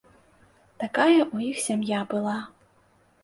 Такая ў іх сям'я была.